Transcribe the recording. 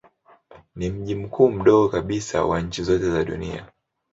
Ni mji mkuu mdogo kabisa wa nchi zote za dunia.